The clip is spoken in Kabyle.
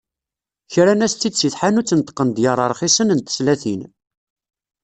Kran-as-tt-id seg tḥanut n tqendyar rxisen n teslatin.